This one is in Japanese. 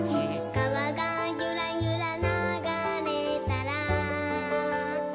「かわがゆらゆらながれたら」